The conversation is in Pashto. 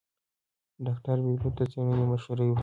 ډاکتره بېلوت د څېړنې مشرې وه.